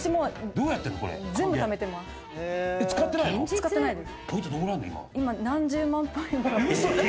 使ってないです。